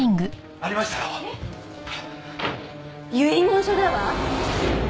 遺言書だわ！